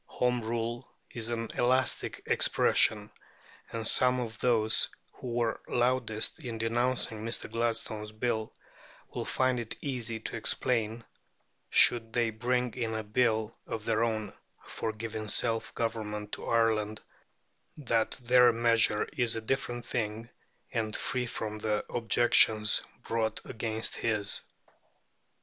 Home Rule is an elastic expression, and some of those who were loudest in denouncing Mr. Gladstone's Bill will find it easy to explain, should they bring in a Bill of their own for giving self government to Ireland, that their measure is a different thing, and free from the objections brought against his.